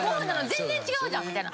全然違うじゃんみたいな。